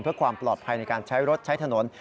เพื่อความปลอดภัยในการใช้รถใช้ถนน